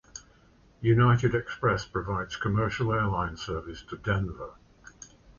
United Express provides commercial airline service to Denver.